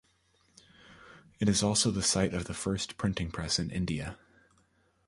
It is also the site of the first printing press in India.